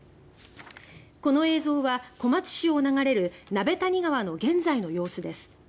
この映像は小松市を流れる鍋谷川の現在の様子です。